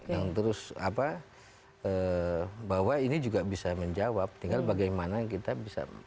nah terus apa bahwa ini juga bisa menjawab tinggal bagaimana kita bisa